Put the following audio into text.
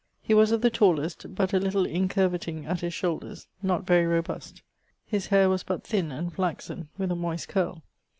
He was of the tallest, but a little incurvetting at his shoulders, not very robust. His haire was but thin and flaxen, with a moist curle.